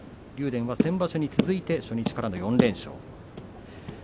電は先場所に続いて初日から４連勝です。